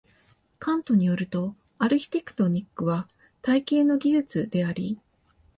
カントに依ると、アルヒテクトニックとは「体系の技術」であり、